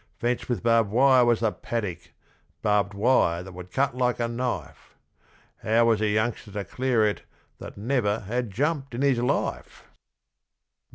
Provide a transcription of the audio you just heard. Fenced with barbed wire was the paddock barbed wire that would cut like a knife How was a youngster to clear it that never had jumped in his life?